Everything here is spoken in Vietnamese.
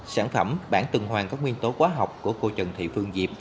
sản phẩm bảng tường hoàng các nguyên tố quá học của cô trần thị phương diệp